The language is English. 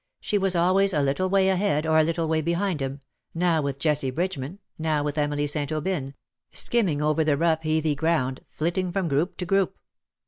She was always a little way ahead, or a little way behind him — now with Jessie Bridge man, now with Emily St. Aubyn — skimming over the rough heathy ground, flitting from group to group.